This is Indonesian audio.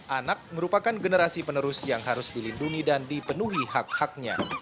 anak merupakan generasi penerus yang harus dilindungi dan dipenuhi hak haknya